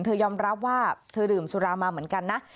ยอมรับว่าเธอดื่มสุรามาเหมือนกันนะ